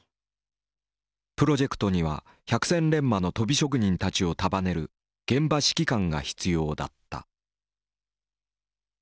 プロジェクトには百戦錬磨の鳶職人たちを束ねる現場指揮官が必要だった。